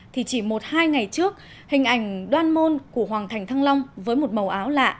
thì chỉ một hai ngày trước hình ảnh đoan môn của hoàng thành thăng long với một màu áo lạ